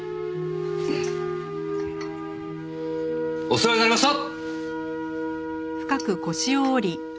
お世話になりました！